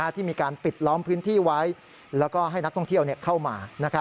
ที่มีการปิดล้อมพื้นที่ไว้แล้วก็ให้นักท่องเที่ยวเข้ามา